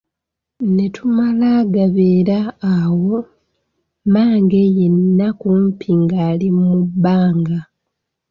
Ne tumala gabeera awo, mmange yenna kumpi ng'ali mu bbanga.